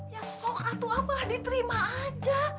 ya sok atuh abah diterima aja